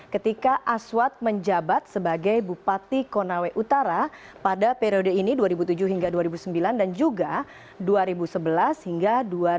ketika aswad menjabat sebagai bupati konawe utara pada periode ini dua ribu tujuh hingga dua ribu sembilan dan juga dua ribu sebelas hingga dua ribu dua puluh